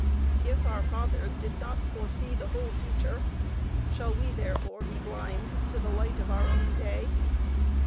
If our Fathers did not foresee the whole future, shall we therefore be blind to the light of our own day?